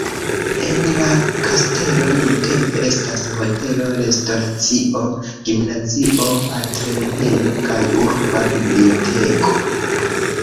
En la kastelo nuntempe estas hotelo, restoracio, gimnazio, artlernejo kaj urba biblioteko.